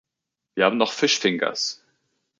Wir haben doch fish fingers.